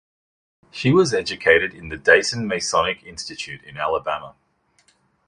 She was educated in the Dayton Masonic Institute in Alabama.